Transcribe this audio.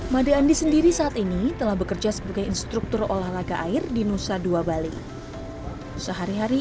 made andi sendiri saat ini telah bekerja sebagai instruktur olahraga air di nusa dua bali sehari hari